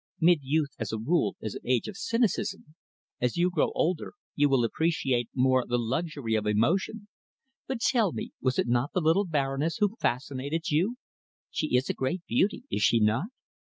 Mid youth, as a rule, is an age of cynicism. As you grow older, you will appreciate more the luxury of emotion. But tell me, was it the little Baroness who fascinated you? She is a great beauty, is she not?"